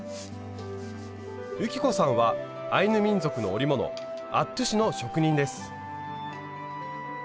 雪子さんはアイヌ民族の織物アットゥの職人です。